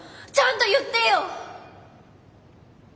ちゃんと言ってよ！